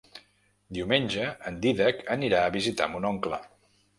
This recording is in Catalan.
Diumenge en Dídac anirà a visitar mon oncle.